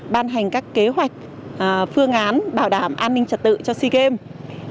ban hành các kế hoạch phương án bảo đảm an ninh trật tự cho sea games